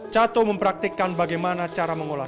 cato mempraktikkan bagaimana cara mengolah